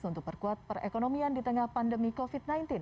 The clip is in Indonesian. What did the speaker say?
untuk perkuat perekonomian di tengah pandemi covid sembilan belas